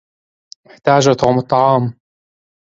احتاج توم الطعام.